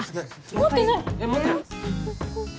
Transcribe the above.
持ってない。